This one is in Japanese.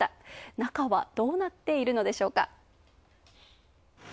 中は、どうなっているのでしょうか？